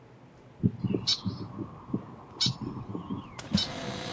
许多原住民群体从老一辈开始就会用绳子翻转出不同的花样。